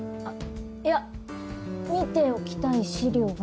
いや見ておきたい資料が。